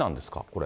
これ。